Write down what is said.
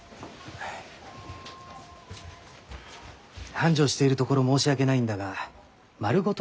繁盛しているところ申し訳ないんだが丸ごと